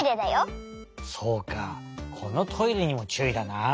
そうかこのトイレにもちゅういだな。